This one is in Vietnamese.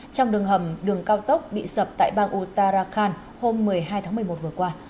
trong đường hầm đường cao tốc bị sập tại bang uttarakhand hôm một mươi hai tháng một mươi một vừa qua